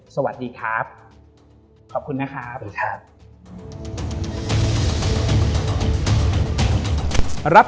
สวัสดีครับ